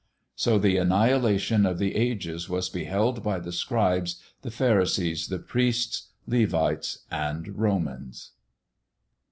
So the annihilation of the ages was beheld by the scribes, the pharisees, the priests, Levites, and Romans.